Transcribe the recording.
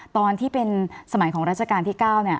ตอนที่เป็นสมัยของราชการที่๙